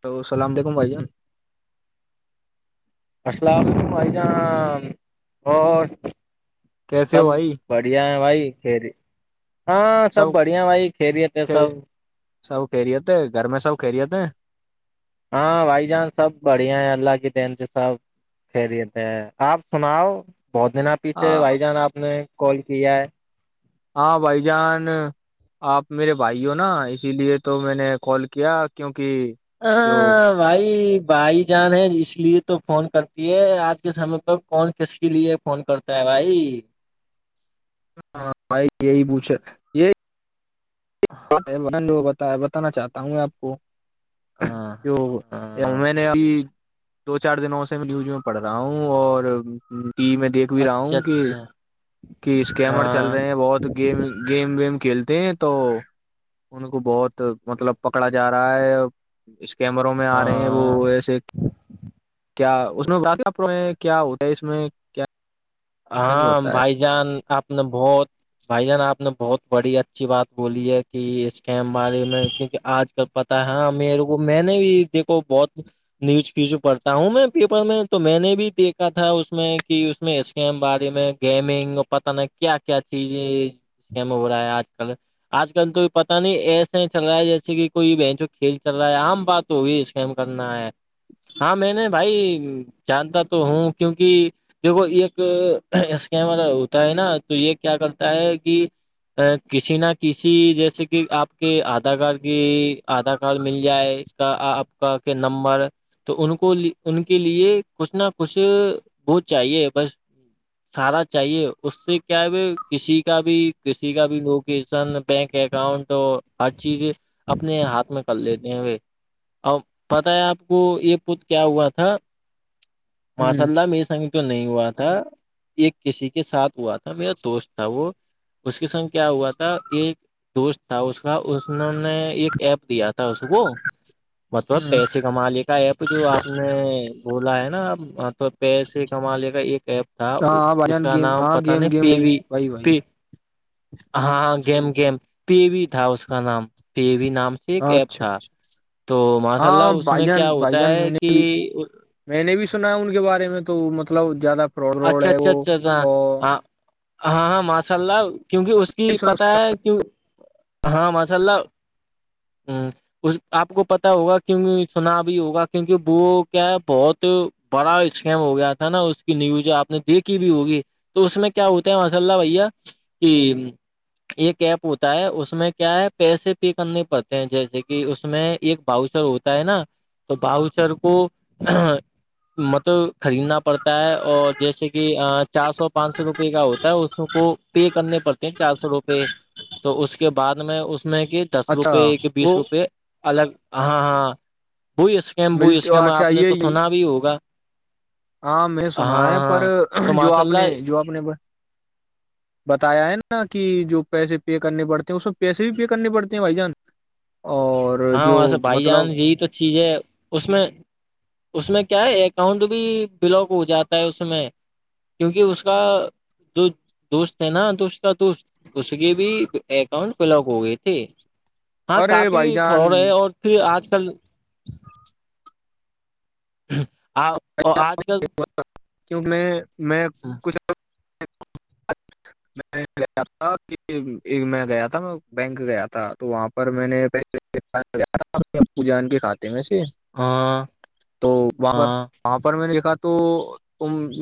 تو اللام علیکم بھائی جان السلام علیکم بھائی جاں اور کیسے ہو سب بھائی بڑھیا ہے بھائیری ہاں سب بڑھیا بھائی کریتے خیر سب سب فریےتے ہیں گھر میں سب فریےت ہیں ہاں بھائی جان سب بڑھیا ہیں اللہ کے ن سے سب خیریت ہے آپ سناؤ بہت دن آ پیچھے بھائی جان آپ نے کال کیا ہے ہاں بھائی جان آپ میرے بھائی ہو نا اسی لیے تو میں نے کال کیا کیوںکہ ہ بھائی بھائی جان ہے اس لیے تو فون کرتی ہے آج کے سمے پ کون کس کے لیے فون کرتا ہے بھائی ہاں بھائی یہی پوھے بتا بتانا چاہتا ہوں میں آپ کو ہاں تو ہاں میں نے اب دو چار دنوں سے میں نیوز میں پڑھ رہا ہوں اور ٹی وی میں دیکھ بھی رہا اچھا ہوں کہ اچھا کہ اسکیمر چل ہاں رہے ہیں بہت تو گیم گیم ویم کھیلتے ہیں تو ان کو بہت مطلب پکڑا جا رہا ہے اس کیمروں میں آ رہے ہیں ہاں وہ ایسے کیا اس میں ب پرو ہیں کیا ہوتا ہے اس میں کیا نہیں ہاں ہوتا ہے بھائی جان آپ نے بہت بھائی جان آپ نے بہت بڑی اچھی بات بولی ہے کہ اس کےم بارے میں کیونکہ آج کل پتاہ ہے میرے کو میں نے بھی د کو بہت نیوز کیچ پڑھتا ہوں میں پیپر میں تو میں نے بھی دیکھا تھا اس میں کہ اس میں ای بارے میں گیمنگ پت نہیں کیا کیا چیزم ہو رہا ہے آج کل آج کل تو پتا نہیں ایسا ہی چل رہا ہے جیسے کہ کوئی بہن جو کھیل چل رہا ہے عام بات تو بھی اسکم کرنا ہے ہاں میں نے بھائی جانتا تو ہوں کیونکہ دیکھو ایک اسکم ہوتا ہے نا تو یہ کیا کرتا ہے کہ کسی نہ کسی جیسے کہ آپ کے آدھار کارڈ کی آدھار کارڈ مل جائے کا آپ کا کہ نمبر تو ان کو ان کے لیے کچھ نہ کچھ بہت چاہیے بس [unintelligible] سارا چاہیے اس سے کیا ہے کسی کا بھی کسی کا بھی لوکیشن بینک اکاؤنٹ ہر چیز اپنے ہاتھ میں کر لیتے ہیں وہ اور پتا ہے آپ کو یہ پت کیا ہوا تھا ماشاء ہ اللہ میری سنگ تو نہیں ہوات تھا ایک کسی کے ساتھ ہوا تھا میرا دوست تھا وہ اس کے سنگ کیا ہوا تھا ایک دوست تھا اس کا اسوں نے ایک ایپ دیا تھا اس کو مطلب پیسے کمالے کا ایپ جو آپ نے بولا ہے نا تو پیسے کمالے کا ایک ایپ تھا ہاں ہاں بھائی اس جان کا گیم نام ہاں پتا گیم نہیں گیم پی بھائی و بھائی بھائی پ ہاںاں گیم گیم پ وی تھا اس کا نام پ وی نام ایک ہاں ایپ اچھا تھا اچھا تو ماشاء اللہ ہاں اس بھائی میں کیا جان بھائی ہوتا جان ہے میں نے کہ بھی میں نے بھی سنا ہے ان کے بارے میں تو مطلب زیادہ فراڈ راڈ اچھا ہے اچھا وہ اور اچھا ہاں ہاں ماشاء اللہ کیونکہ اس کی پتہ ہے کی ہاں ماشاء اللہ ہوں اس آپ کو پتا ہوگا کیوں سنا بھی ہوگا کیونکہ وہ کیا ہے بہت تو بڑا اسکیم ہو گیا تھا نا اس کی نیوز جو آپ نے دیکھی بھی ہوگی تو اس میں کیا ہوتا ہے ماشاء اللہ بھیا کہ ایک ایپ ہوتا ہے اس میں کیا ہے پیسے پے کرنے پڑتے ہیں جیسے کہ اس میں ایک باؤچر ہوتا ہے نا تو بؤچر کو مطلب خریدنا پڑتا ہے اور جیسے کہ چار سو پانچ سو روپے کا ہوتا ہے اس کو پے کرنے پڑتے ہیں چار سو روپے تو اس کے بعد میں اس میں کہ دس اچھا روپے کہ بیس وہ روپے الگ ہاں ہاں وہ اسکیم وہ ملتے اسکیم اچھا آپ نے تو یہ سنا بھی ہوگا ہاں میں سنا ہے پر ہاں تو جو ماشاء آپ اللہ نے جو آپنے بتایا ہے نا کہ جو پیسے پے کرنے پڑتے ہیں اس میں پیسے بھی پے کرنے پڑتے ہیں بھائی جان اور ہاں جو واںس بھائی جان مطلب یہی تو چیز ہے اس میں اس میں کیا ہے اکاؤنٹ بھی بلاک ہو جاتا ہے اس میں کیونکہ اس کا جو دوست ہے نا تو تو تو اس کی بھی اکاؤنٹ بلاک ہو گئی تھی ہاں ارے کاپی بھائی جان اور پھر آج کل آ آج کل [inaudible] کیوںک میں میں کچھ [inaudible] میں گیا تھا میں گیا تھا میں بینک گیا تھا تو وہاں پر میں نے [inaudible] اپو جان کے کھاتے میں سے ہاں تو بابر [inaudible] ہاں وہاں پر میں نے دیکھا تو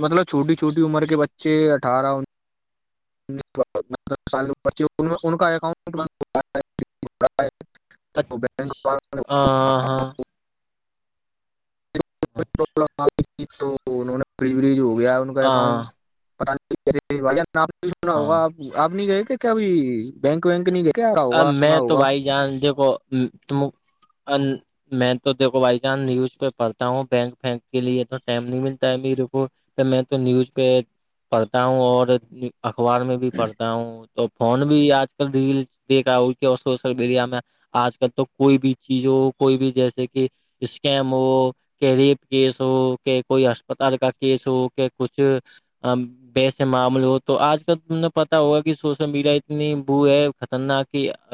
مطلب چھوٹی چھوٹی عمر کے بچے اٹھارہ سال ان کا اکاؤنٹ [inaudible] تو اچھا بینک ہ والوں ہ ہاں [inaudible] لم آ گئی تھی تو انہوں نے ڈلیوری جو ہو گیا ان کا اکاؤنٹ ہاں [inaudible] پ آپ سنا ہاں ہوگا آپ آپ نہیں گئے کہ کیا بینک وینک نہیں گئے [inaudible] اب سنا میں تو ہوگا بھائی جان دیکھو ت میں تو دیکھو بائی چانس نیوز پہ پڑھتا ہوں بینک فینک کے لیے تو ٹائم نہیں ملتا ہے میرے کو میں تو نیوز پہ پڑھتا ہوں اور اخبار میں بھی پڑھتا ہوں تو فون بھی آج کل ڈل دیکھا ہو کہ اور سوشل میڈیا میں آج کل تو کوئی بھی چیز ہو کوئی بھی جیسے کہ اس کے ہم وہ کہ ریپ کیس ہو کہ کوئی اسسپتال کا کیس ہو کہ کچھ ویسے معامول ہو تو آج کل تمیں پتا ہوا کہ سوشل میڈیا اتنی بو ہے [inaudible] تنااک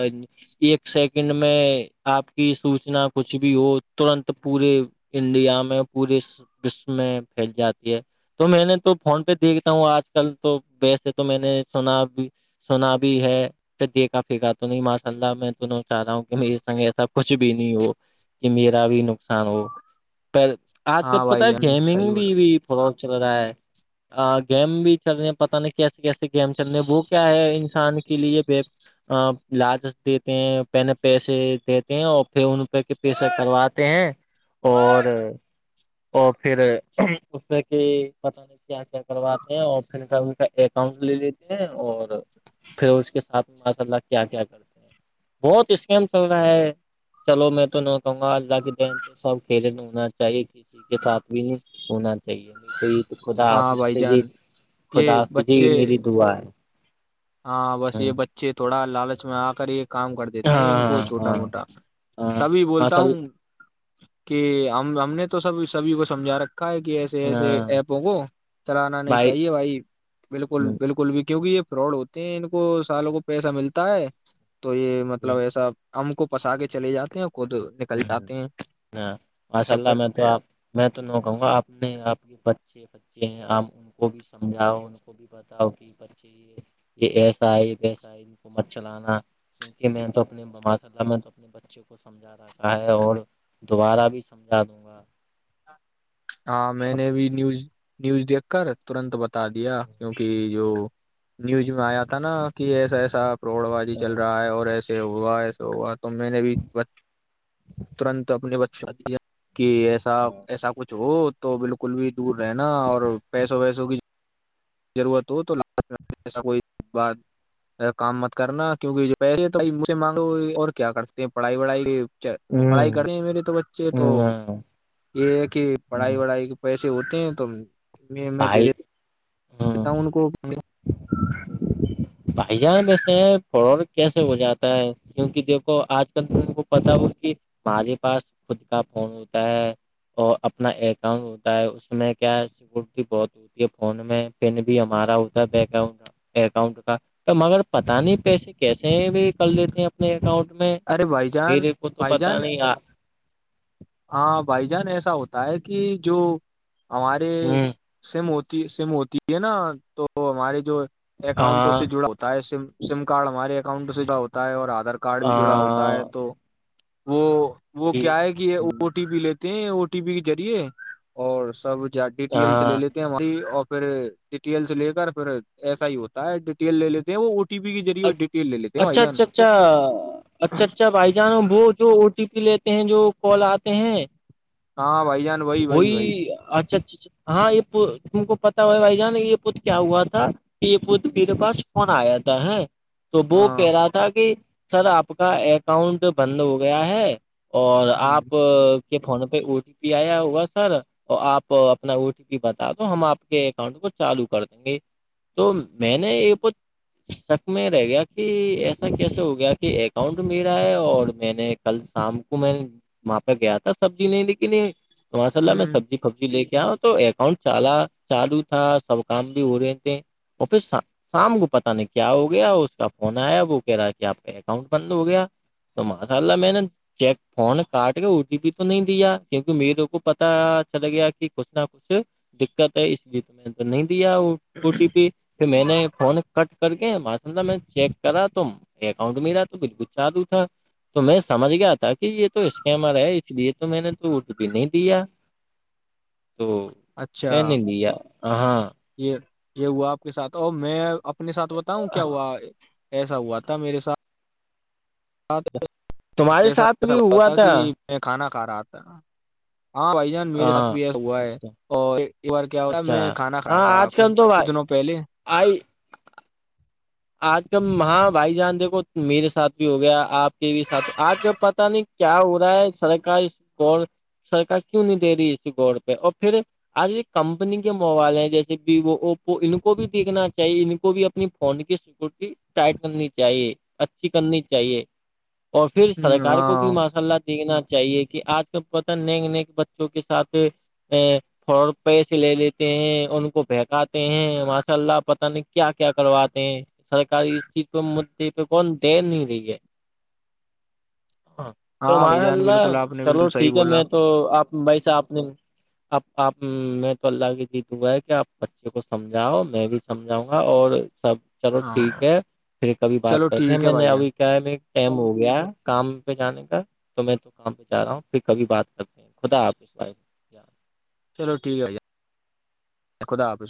[inaudible] ایک سیکنڈ میں آپ کی سوچنا کچھ بھی ہو ترنت پورے انڈیا میں پورے وشو میں پھیل جاتی ہے تو میں نے تو فون پہ دیکھتا ہوں آج کل تو ویسے تو میں نے سنا اب سنا بھی ہے پ دے کا پیکا تو نہیں ماشاء اللہ میں دونوں چاہ رہا ہوں کہ میرے سنگ ایسا کچھ بھی نہیں ہو کہ میرا بھی نقصان ہو پر آج کل ہاں تو پتا بھائی ہے جان صحیح گیمنگ بھی بولا بھی تھوڑا چل رہا ہے گیم بھی چل رہے ہیں پتہ نہیں کیسے کیسے گیم چل رہے ہیں وہ کیا ہے انسان کے لیے ب لجچ دیتے ہیں پہ پیسے دیتے ہیں اور پھر ان [inaudible] رپے کے پیسہ کرواتے ہیں اور [inaudible] اور پھر اس سے کہ پت [inaudible] کیا کیا کرواتے ہیں اور پھر س ان کا اکاؤنٹ لے لیتے ہیں اور پھر اس کے ساتھ [inaudible] ماشاء اللہ کیا کیا کرتے ہیں بہت اسکیم چل رہا ہے چلو میں تو نہ کہوں گا اللہ کے دن سب کھیل میں ہونا چاہیے ت ٹھیک ہے تو آپ بھی نہیں ہونا [unintelligible] صحی ابھی تو یہ تو خدا ہاں حافظ تھ بھائی جی جان خدا یہ حافظی بچے میری دعا ہے ہاں بس یہ ہاں بچے تھوڑا لالچ میں آ کر یہ کام کرتے دیتے ہیں ان کو ہاں چھوٹا ہاں موٹا ہاں تبھی بولتا ماشاء ہوں اللہ [unintelligible] کہ ہم ہم نے تو سب سبھی کو سمجھا رکھا ہے کہ ای ایسے ایسے ہاں ایپوں کو چلانا نہیں چاہیے بھائی بالکل ہ بالکل بھی کیونکہ یہ فراڈ ہوتے ہیں ان کو سالوں کو پیسہ ملتا ہے تو یہ مطلب ایسا ام کو پسا کے چلے جاتے ہیں خود نکل ہ جاتے ہیں ہ ماشاء ایسا اللہ پر میں تو آپ [unintelligible] میں تو ن کہوں گا آپ نے آپ کے بچے بچے ہیں آ ان کو بھی سمجھاؤ ان کو بھی بتاؤ کہ بچے یہ یہ ایسا ہے ویسا ہے حکومت چلانا کیوںکہ میں تو اپنے مما ص اللہ میں تو اپنے بچوں کو سمجھا رہا ہے اور دوبارہ بھی سمجھا دوں گا ہاں میں اب نے بھی نیوز نیوز دیکھ کر ترنت بتا دیا کیوںکہ جو نیوز میں آیا تھا نا کہ ایسا ایسا پروڑ بازی چل ہ رہا ہے اور ایسے ہوا ایسے ہوا میں نے بھی ترنت اپنے بچوں دیا کہ ایسا ایسا جو تو بالکل بھی دور رہناا اور پیسوں ویسوں کی ضرورت ہو تو جسا کوئی بات کام مت کرنا کیونک پیسے مجھ سے مانگے اور کیا کر سکتے ہیں پڑھائی وڑھائی پڑھائی کرتے ہیں میرے تو بچے تو ہ یہ ہے کہ پڑھائی ہ وڑھائی پہل سے ہوتے ہیں تو د بھائی د ہ تا ان کو بھائی جان ویسے ہیں فور کیسے ہو جاتا ہے کیوںکہ دیکھو آج کل ت کو پتا ہو کہ ہمارے پاس خود کا فون ہوتا ہے اور اپنا اکاؤنٹ ہوتا ہے اس میں کیا ہے بھی بہت ہوتی ہے فون میں پن بھی ہمارا ہوتا ہے بیک گراؤن اکاؤنٹ کا تو مگر پتاہ نہیں پیسے کیسے بھی کر لیتے ہیں اپنے اکاؤنٹ میں ارے بھائی جان میرے کو تو بھائی پتا جان نہیں آ ہاں بھائی جان ایسا ہوتا ہے کہ جو ہمارے ہاں سیم ہوتی سیم ہوتی ہے نا تو ہمارے جو اکاؤنٹوں سے جڑا ہوتا ہوتا ہے س سم کارڈ ہمارے اکاؤنٹ میں جڑا ہوتا ہے اور آدھار کارڈ بھی جڑا ہوتا ہے ہاں تو وہ وہ جی کیا ہے گ یہ او ٹی پی لیتے ہیں او ٹی پی کے ذریعے اور سب ڈیٹیلس لے ہاں لیتے اور پھر ڈٹیلس لے کر پھر ایسا ہی ہوتا ہے ڈیٹیل لے لیتے ہیں وہ ا ٹیی کے ذریے ڈٹیل لے لیتے ہیں بائی اچھا جان اچھا اچھا اچھا اچھا بھائی جان وہ جو او ٹی پی لیتے ہیں جو کال آتے ہیں وہی اچھا اچھا اچا ہاں یہ تم کو پتا ہو ہے بھائی جان یہ پوت کیا ہوا تھا پ پت پیر پاس فن آیا تھا ہے تو وہ ہاں کہہ رہا تھا کہ سر آپ کا اکاؤنٹ بند ہو گیا ہے اور ہ آپ کے فون پہ او ٹی پی آیا ہوا سر اور آپ اپنا او ٹی پی بتا دو ہم آپ کے اکاؤنٹ کو چالو کر دیں گے تو میں نے یہ میں رہ گیا کہ ایسا کیسے ہو گیا کہ اکاؤنٹ میرا ہے اور میں نے کل شام کو میں وہاں پہ گیا تھا سبزی نہیں ل کے لی ماشا اللہ میں ہ سبزی پبزی لے کے آؤ تو اکاؤنٹ چال چالو تھا سب کام بھی ہو رہے تھے ا پھر شام کو پتہ نہیں کیا ہوگا گیا اس کا فون آیا وہ کہہ رہا کہ آپ کا اکاؤنٹ بند ہو گیا تو ماشاء اللہ میں نے چیک فون کاٹ کے او ٹی پی تو نہیں دیا کیونکہ میروں کو پتا چل گیا کہ کچھ نہ کچھ دقت ہے اس لیے تو اند نہیں دیا او ٹی پی پھر میں نے فون کٹ کر کے میں چیک کرا ت اکاؤنٹ ملاا تو بالکل چالو تھا تو میں سمجھ گیا تھا کہ یہ تو اسکمر ہے اس لیے تو میں نے تو اردو بھی نہیں دیا [inaudible] تو اچھا میں نے لیا ہاں یہ یہ ہوا آپ کے ساتھ اور میں اپنے ساتھ بتاؤں کیا ہوا ایسا ہوا تھا میرے ساتھ میرے ساتھ ایسا ہوا تھا کہ میں کھانا کھا رہا تھا ہاں بھائی جان میرے ساتھ ہاں بھی یہ ہوا ہے اچھا اور ایک بار کیا ہوتا ہے اچھا میں کھانا کھا ہاں تھا آج کچھ کل تو کچھ دنوں پہلے آئی آج کا ہاں بھائی جان دیکھو میرے ساتھ بھی ہو گیا آپ کے بھی ساتھ آج کا پتاہ نہیں کیا ہو رہا ہے سرک اس گڑ سرکار کیوں نہیں دے رہی اس گڑ پہ اور پھر آج یہ کمپنی کے موبائل ہیں جیسے بھی وہ اوپو ان کو بھی دیکھنا چاہیے ان کو بھی اپنی فون کے کرتی ٹائٹ کرنی چاہیے اچھی کرنی چاہیے اور پھر ہوں، سرکار کو بھی ہاں ماشاء اللہ سیکھنا چاہیے کہ آج تو پت نیک نیک بچوں کے ساتھ ا فورا پیسے لے لیتے ہیں ان کو بہکاتے ہیں ماشاء اللہ پتہ نہیں کیا کیا کرواتے ہیں سرکاری اس چیز پہ مدے پہ کون دے نہیں رہی ہے ہ تو ہاں بھائی ماشء جان اللہ بالکل آپ نے چلو بالکل صحیح ٹھیک ہے بولا میں تو آپ بھائیس آپ نے اب آپ میں تو اللہ کی جی د ہا ہے کہ آپ بچے کو سمجھاؤ میں بھی سمجھاؤں گا اور سب چلو ٹھیک ہاں ہے پھر کبھی بات چلو کرتے ہیں ٹھیک ہے میں نے بھائی جان ابھی کیا ہے میں ایک ٹائم ہو گیا ہے کام پہ جانے کا تو میں تو کام پہ جا رہا ہوں پھر کبھی بات کرتے خدا حفظ بھائی چلو ٹھیک ہے بھ خدا حافظ